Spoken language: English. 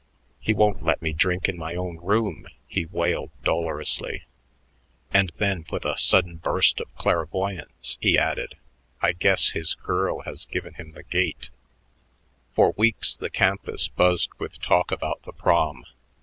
"He won't let me drink in my own room," he wailed dolorously. And then with a sudden burst of clairvoyance, he added, "I guess his girl has given him the gate." For weeks the campus buzzed with talk about the Prom.